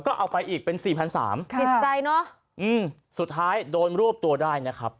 ก็เอาไปอีกเป็น๔๕๐๐เก็บใจสุดท้ายโดนรวบตัวได้นะครับ